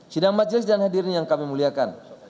sidang majelis dan hadirin yang kami muliakan